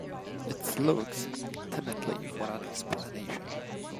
It looks timidly for an explanation.